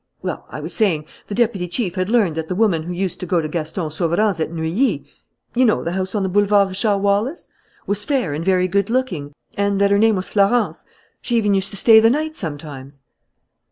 Well, I was saying, the deputy chief had learnt that the woman who used to go to Gaston Sauverand's at Neuilly you know, the house on the Boulevard Richard Wallace was fair and very good looking, and that her name was Florence. She even used to stay the night sometimes."